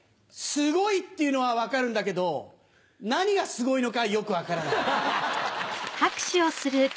すごいっていうのは分かるんだけど何がすごいのかよく分からない。